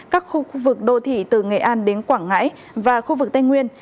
các khu vực đô thị từ nghệ an đến quảng ngãi và khu vực tây nguyên